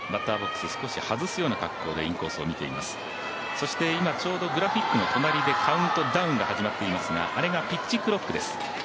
そして今、ちょうどグラフィックの隣でカウントダウンが始まっていますがあれが、ピッチクロックです。